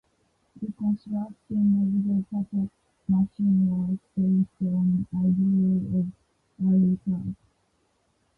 Reconstruction of the Purple machine was based on ideas of Larry Clark.